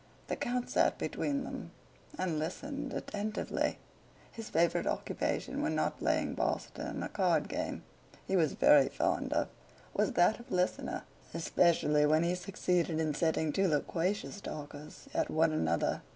The count sat between them and listened attentively. His favorite occupation when not playing boston, a card game he was very fond of, was that of listener, especially when he succeeded in setting two loquacious talkers at one another.